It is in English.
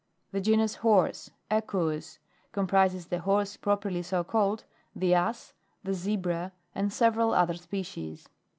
1 3. The genus HORSE, ECJUHS, comprises the Horse properly so called, the Ass, the Zebra, and several other species.